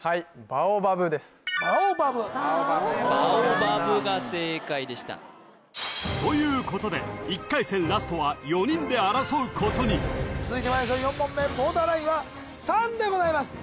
バオバブが正解でしたということで１回戦ラストは４人で争うことに続いてまいりましょう４問目ボーダーラインは３でございます